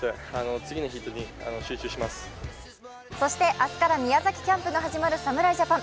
明日から宮崎キャンプが始まる侍ジャパン。